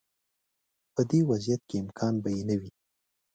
په دې وضعیت کې امکان به یې نه وي.